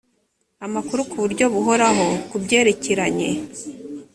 amakuru ku buryo buhoraho ku byerekeranye